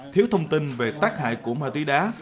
thiếu thông tin về tác hại của ma túy đá